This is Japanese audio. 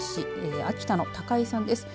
秋田の高井さんです。